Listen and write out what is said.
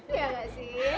iya gak sih